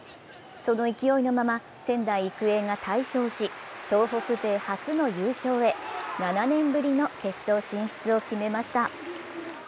その勢いのまま仙台育英が大勝し、東北勢初の優勝へ、７年ぶりの決勝進出を決めました。